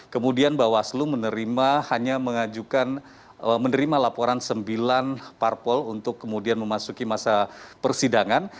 kemudian bawaslu menerima hanya mengajukan menerima laporan sembilan parpol untuk kemudian memasuki masa persidangan